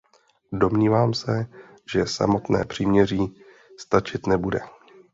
Domnívám se, že samotné příměří stačit nebude.